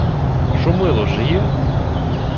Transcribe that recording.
— Шумило жиє?